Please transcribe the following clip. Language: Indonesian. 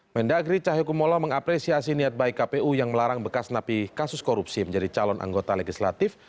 mendagri cahyokumolo mengapresiasi niat baik kpu yang melarang bekas napi kasus korupsi menjadi calon anggota legislatif